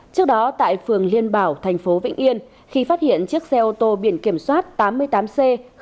trước đó tại phường liên bảo thành phố vĩnh yên khi phát hiện chiếc xe ô tô biển kiểm soát tám mươi tám c một